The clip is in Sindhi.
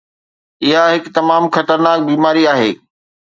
اها هڪ تمام خطرناڪ بيماري آهي.